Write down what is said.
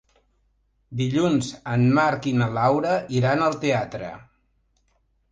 Dilluns en Marc i na Laura iran al teatre.